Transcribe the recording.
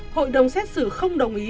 hội đồng xét xử không đồng ý